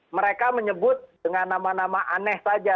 mereka menyebut dengan nama nama aneh saja